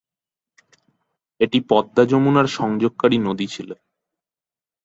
এটি পদ্মা-যমুনার সংযোগকারী নদী ছিল।